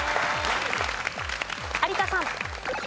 有田さん。